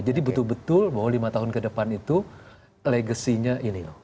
jadi betul betul bahwa lima tahun ke depan itu legasinya ini loh